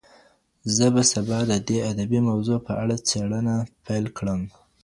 زه به سبا د دې ادبي موضوع په اړه څېړنه پیل کړم.